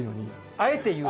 あえて言う。